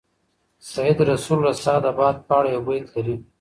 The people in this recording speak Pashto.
سید رسول رسا د باد په اړه یو بیت لري.